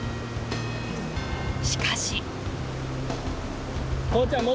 しかし。